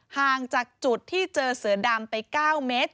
ห่างจากจุดที่เจอเสือดำไป๙เมตร